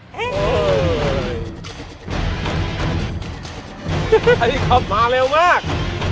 ให้ขับมาเร็วมาก